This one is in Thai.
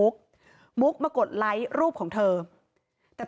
กลุ่มวัยรุ่นฝั่งพระแดง